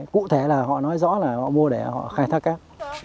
cụ thể là họ nói rõ là họ mua để họ khai thác cát